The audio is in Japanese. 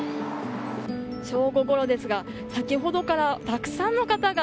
正午ごろですが先ほどからたくさんの方が